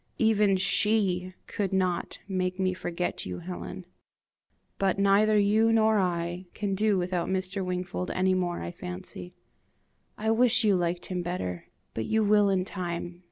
Even SHE could not make me forget you, Helen. But neither you nor I can do without Mr. Wingfold any more, I fancy. I wish you liked him better! but you will in time.